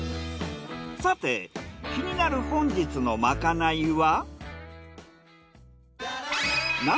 さて気になる本日のまかないは？